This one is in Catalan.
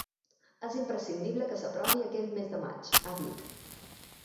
És imprescindible que s’aprovi aquest mes de maig, ha dit.